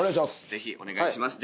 ぜひお願いします